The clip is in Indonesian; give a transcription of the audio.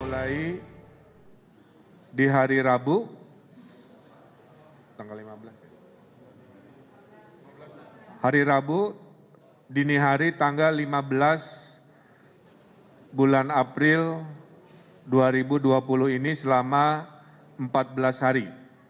mulai di hari rabu hari rabu dini hari tanggal lima belas bulan april dua ribu dua puluh ini selama empat belas hari